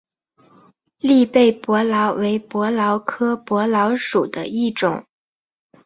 栗背伯劳为伯劳科伯劳属的一种。